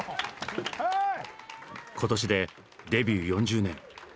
今年でデビュー４０年。